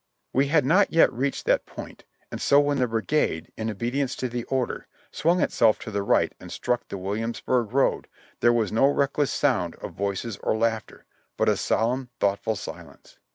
We had not yet reached that point, and so when the brigade, in obedience to the order, swung itself to the right and struck the Williamsburg road, there \vas no reckless sound of voices or laughter, but a solemn, thoughtful silence.